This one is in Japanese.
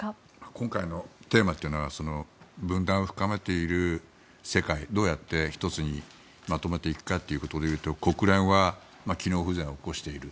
今回のテーマというのは分断を深めている世界どうやって１つにまとめていくかということで言うと国連は機能不全を起こしている。